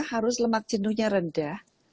harus lemak jenuhnya rendah